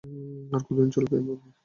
আর কতোদিন চলবে এভাবে?